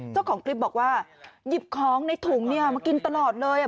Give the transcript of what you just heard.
เจ้าของคลิปบอกว่าหยิบของในถุงเนี่ยมากินตลอดเลย